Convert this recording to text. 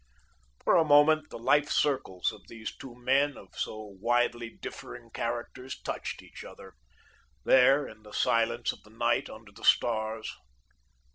For a moment, the life circles of these two men, of so widely differing characters, touched each other, there in the silence of the night under the stars.